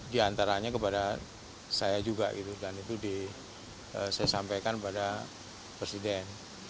diantaranya kepada saya juga gitu dan itu disampaikan kepada presiden